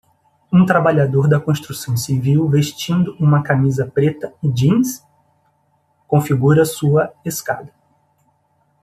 Um trabalhador da construção civil vestindo uma camisa preta e jeans? configura sua escada.